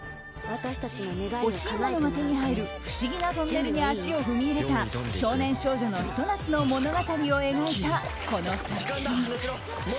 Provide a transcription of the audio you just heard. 欲しいものが手に入る不思議なトンネルに足を踏み入れた少年少女のひと夏の物語を描いたこの作品。